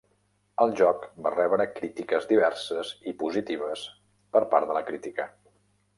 El joc va rebre crítiques diverses i positives per part de la crítica.